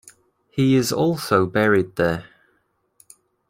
He is also buried there.